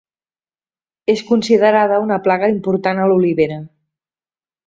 És considerada una plaga important a l'olivera.